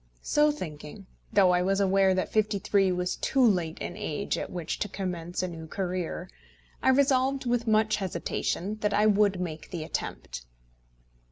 So thinking, though I was aware that fifty three was too late an age at which to commence a new career, I resolved with much hesitation that I would make the attempt.